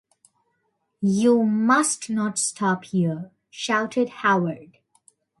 “You must not stop here,” shouted Howard.